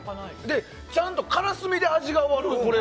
ちゃんとからすみで味が終わる。